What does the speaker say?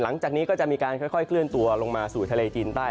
หลังจากนี้ก็จะมีการค่อยเคลื่อนตัวลงมาสู่ทะเลจีนใต้